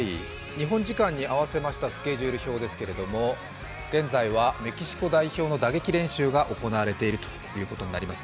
日本時間に合わせたスケジュール表でございますが現在はメキシコ代表の打撃練習が行われているということです。